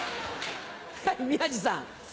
はい宮治さん。